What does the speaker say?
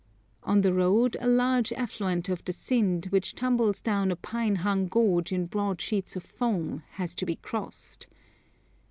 On the road a large affluent of the Sind, which tumbles down a pine hung gorge in broad sheets of foam, has to be crossed.